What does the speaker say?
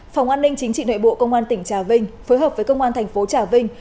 phòng an ninh chính trị nội bộ công an tỉnh trà vinh phối hợp với công an thành phố trà vinh